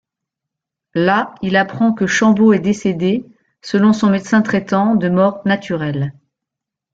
Là, il apprend que Chambaud est décédée, selon son médecin traitant, de mort naturelle.